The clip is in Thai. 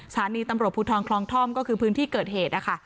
สถานีตำรวจภูทรคลองท่อมก็คือพื้นที่เกิดเหตุนะคะ